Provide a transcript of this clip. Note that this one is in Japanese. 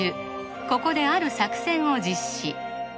ここである作戦を実施